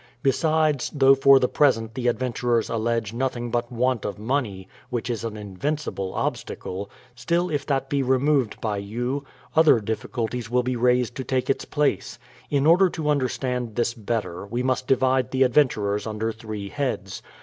Besides, though for the present the adventurers allege nothing but want of money, which is an invincible obstacle, THE PLYMOUTH SETTLE^IENT 141 still if that be removed by yon, other difficulties will be raised to take its place. In order to understand this better, we must divide the adventurers under three heads.